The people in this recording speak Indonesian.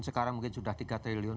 sekarang mungkin sudah tiga triliun